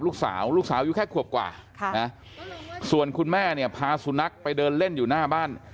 ลูกสาวลูกสาวอยู่แค่ขวบกว่าส่วนคุณแม่เนี่ยพาสุนัขไปเดินเล่นอยู่หน้าบ้าน